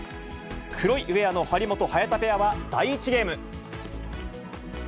黒いウエアの張本・早田ペアは第１ゲーム。